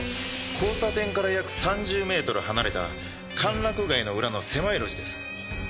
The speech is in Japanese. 交差点から約３０メートル離れた歓楽街の裏の狭い路地です。